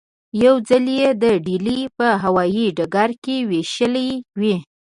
یو ځل یې د ډیلي په هوايي ډګر کې وېشلې وې.